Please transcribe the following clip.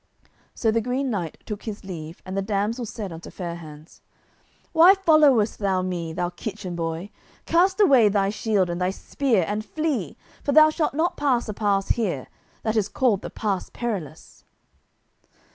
So the Green Knight took his leave, and the damsel said unto Fair hands, "Why followest thou me, thou kitchen boy; cast away thy shield and thy spear and flee, for thou shalt not pass a pass here, that is called the pass Perilous."